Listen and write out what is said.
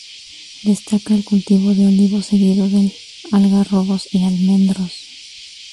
Destaca el cultivo de olivos seguido del de algarrobos, y almendros.